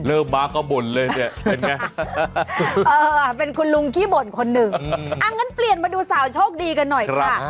เริ่มมาก็บ่นเลยเนี่ยเป็นไงเป็นคุณลุงขี้บ่นคนหนึ่งเปลี่ยนมาดูสาวโชคดีกันหน่อยค่ะ